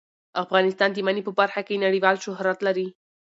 افغانستان د منی په برخه کې نړیوال شهرت لري.